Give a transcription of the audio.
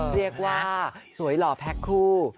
เรียกว่าสวยหล่อแพ็คคู่